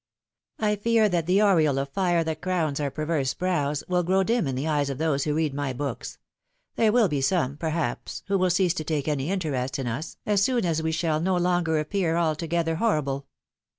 I fear that the aureole of fire that crowns our perverse brows will grow dim in the eyes of those who read my books; there will be some, perhaps, who will cease to take any interest in us, as soon as we shall no longer appear altogether horrible.